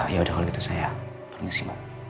ya udah kalau gitu sayang permisi mbak